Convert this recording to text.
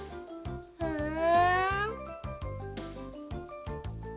ふん。